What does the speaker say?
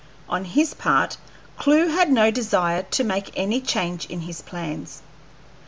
On his part, Clewe had no desire to make any change in his plans.